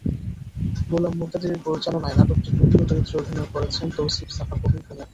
গোলাম মোক্তাদিরের পরিচালনায় নাটকটির বিভিন্ন চরিত্রে অভিনয় করেছেন তৌসিফ, সাফা কবির প্রমুখ।